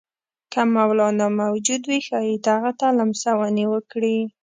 که مولنا موجود وي ښايي دغه ته لمسونې وکړي.